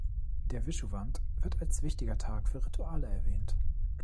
Der „Vishuvant“ wird als wichtiger Tag für Rituale erwähnt.